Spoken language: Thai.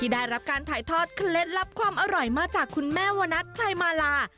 ได้รับการถ่ายทอดเคล็ดลับความอร่อยมาจากคุณแม่วนัทชัยมาลา